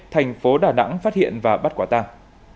thành phố đà nẵng phát hiện và bắt quả tang